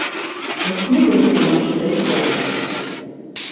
Es negribu, ka man špricē!